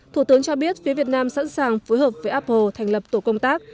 thủ tướng cho biết phía việt nam sẵn sàng phối hợp với apple thành lập tổ công tác